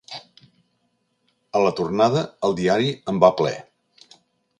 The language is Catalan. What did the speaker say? A la tornada, el diari en va ple.